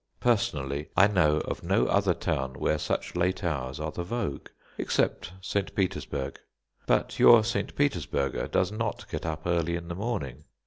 Personally, I know of no other town where such late hours are the vogue, except St. Petersburg. But your St. Petersburger does not get up early in the morning.